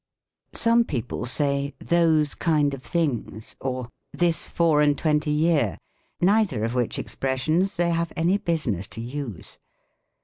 Some people say, " Those kind of things," or, " This four and twenty year," neither of which expressions they have any business to use.